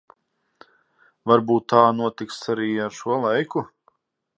Varbūt tā notiks arī ar šo laiku.